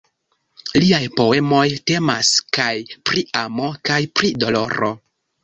Liaj poemoj temas kaj pri amo kaj pri doloro.